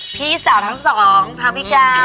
พี่สาวทั้งสองทางพี่ก้าว